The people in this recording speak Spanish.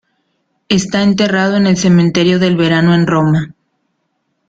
Está enterrado en el Cementerio del Verano en Roma.